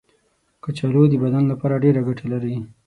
کچالو د بدن لپاره ډېره ګټه لري.